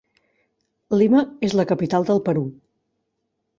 Lima és la capital del Perú.